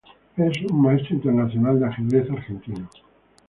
Es un Maestro Internacional de ajedrez argentino.